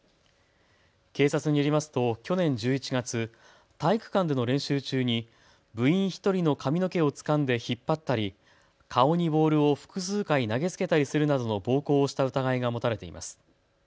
警察によりますと去年１１月、体育館での練習中に部員１人の髪の毛をつかんで引っ張ったり顔にボールを複数回投げつけたりするなどの暴行した疑いが持たれています。